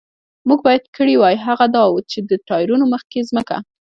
موږ باید کړي وای، هغه دا و، چې د ټایرونو مخکې ځمکه.